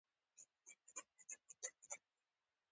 مجهول ماضي فاعل پټ ساتي.